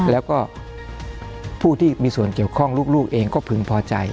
แล้วก็ผู้ที่มีส่วนเกี่ยวข้องลูกเองก็พึงพอใจ